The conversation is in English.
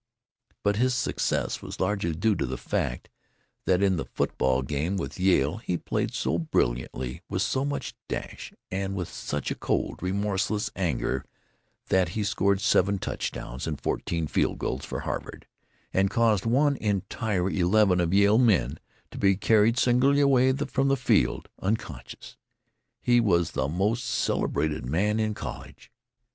But his success was largely due to the fact that in the football game with Yale he played so brilliantly, with so much dash and with such a cold, remorseless anger that he scored seven touchdowns and fourteen field goals for Harvard, and caused one entire eleven of Yale men to be carried singly from the field, unconscious. He was the most celebrated man in college.